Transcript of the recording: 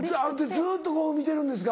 ずっとこう見てるんですか。